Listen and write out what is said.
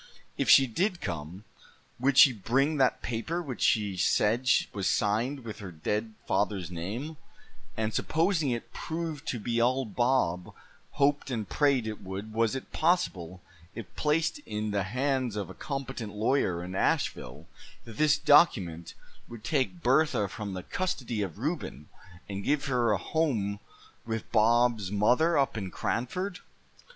If she did come, would she bring that paper which she said was signed with her dead father's name; and supposing it proved to be all Bob hoped and prayed it would, was it possible, if placed in the hands of a competent lawyer in Asheville, that this document would take Bertha from the custody of Reuben, and give her a home with Bob's mother up in Cranford?